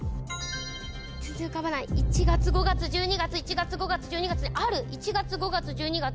全然浮かばない１月５月１２月１月５月１２月にある１月５月１２月。